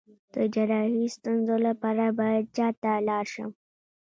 د جراحي ستونزو لپاره باید چا ته لاړ شم؟